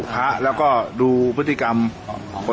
พวกนี้มาบ่อยมาก